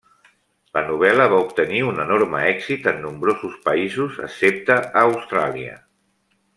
La novel·la va obtenir un enorme èxit en nombrosos països excepte a Austràlia.